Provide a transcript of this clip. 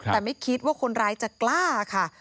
แต่ไม่คิดว่าคนร้ายจะกล้าค่ะ